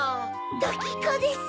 ドキコです。